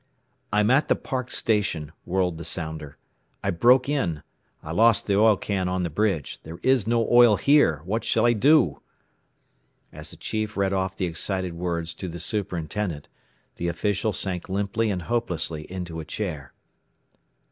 "I'm at the Park station," whirled the sounder. "I broke in. I lost the oil can on the bridge. There is no oil here. What shall I do?" As the chief read off the excited words to the superintendent, the official sank limply and hopelessly into a chair.